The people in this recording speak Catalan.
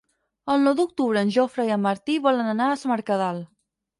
El nou d'octubre en Jofre i en Martí volen anar a Es Mercadal.